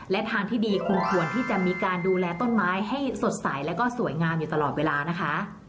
และทางที่ดีคุณควรที่จะมีการดูแลต้นไม้ให้สดใสแล้วก็สวยงามอยู่ตลอดเวลานะคะ